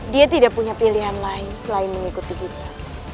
dia tidak punya pilihan lain selain mengikuti kita